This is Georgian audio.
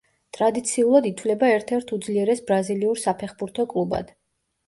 ტრადიციულად ითვლება ერთ-ერთ უძლიერეს ბრაზილიურ საფეხბურთო კლუბად.